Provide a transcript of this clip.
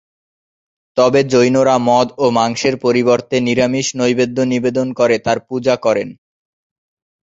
তবে জৈনরা মদ ও মাংসের পরিবর্তে নিরামিষ নৈবেদ্য নিবেদন করে তার পূজা করেন।